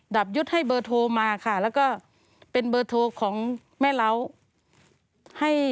ับยุทธ์ให้เบอร์โทรมาค่ะแล้วก็เป็นเบอร์โทรของแม่เล้า